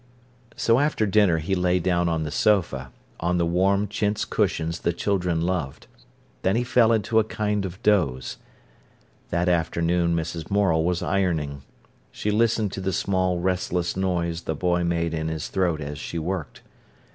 So after dinner he lay down on the sofa, on the warm chintz cushions the children loved. Then he fell into a kind of doze. That afternoon Mrs. Morel was ironing. She listened to the small, restless noise the boy made in his throat as she worked.